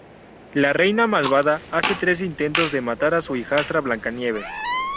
La Reina Malvada hace tres intentos de matar a su hijastra Blancanieves.